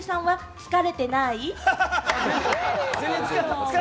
疲れてないの！